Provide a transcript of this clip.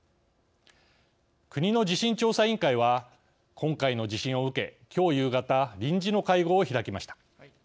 国の地震調査委員会は今回の地震を受け臨時の会合を開きました。